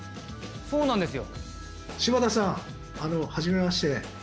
そうなんですよ。